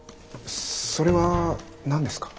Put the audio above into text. それは何ですか？